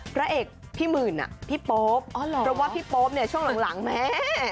พระเอกพี่หมื่นพี่โป๊ปเพราะว่าพี่โป๊ปเนี่ยช่วงหลังแม่